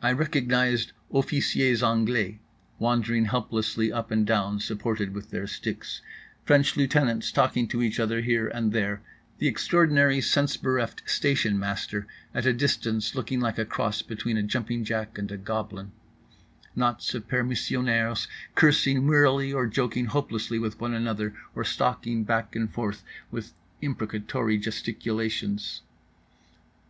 I recognized officiers anglais wandering helplessly up and down, supported with their sticks; French lieutenants talking to each other here and there; the extraordinary sense bereft station master at a distance looking like a cross between a jumping jack and a goblin; knots of permissionnaires cursing wearily or joking hopelessly with one another or stalking back and forth with imprecatory gesticulations.